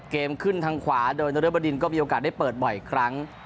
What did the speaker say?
ขึ้นทางขวาโดยนรบดินก็มีโอกาสได้เปิดบ่อยครั้ง